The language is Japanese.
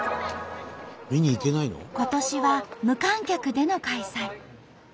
今年は無観客での開催。